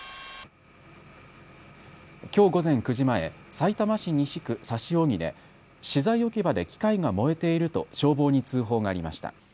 きょう午前９時前、さいたま市西区指扇で資材置き場で機械が燃えていると消防に通報がありました。